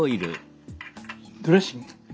ドレッシング。